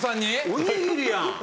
おにぎりやん。